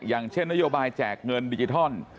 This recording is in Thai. อย่างเช่นนโยบายแจกเงินดิจิทัล